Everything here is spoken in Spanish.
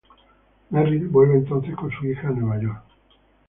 Merril vuelve entonces con su hija a Nueva York.